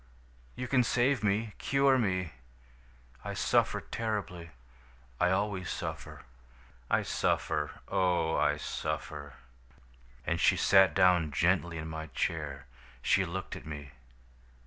You can save me, cure me. I suffer terribly. I always suffer. I suffer, oh, I suffer!' "And she sat down gently in my chair. She looked at me.